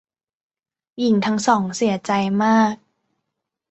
หญิงทั้งสองเสียใจมาก